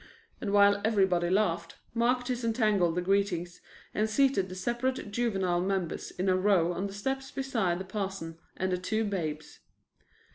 and while everybody laughed, Mark disentangled the greetings, and seated the separated juvenile members in a row on the steps beside the parson and the two babes.